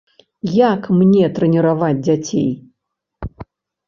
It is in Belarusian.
Як мне трэніраваць дзяцей?